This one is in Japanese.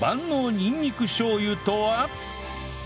にんにくしょう油とは？